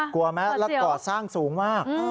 กลัวไหมแล้วก่อสร้างสูงมาก